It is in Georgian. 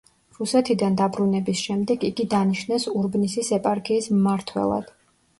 რუსეთიდან დაბრუნების შემდეგ იგი დანიშნეს ურბნისის ეპარქიის მმართველად.